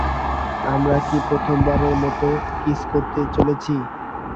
আমরা কি প্রথমবারের মতো কিস করতে চলেছি?